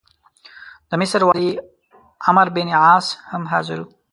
د مصر والي عمروبن عاص هم حاضر وو.